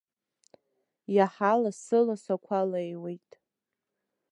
Иаҳа лассы-лассы ақәа леиуеит.